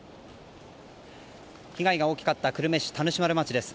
被害が大きかった久留米市田主丸町です。